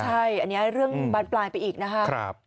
ใช่อันนี้เรื่องบานปลายไปอีกนะครับ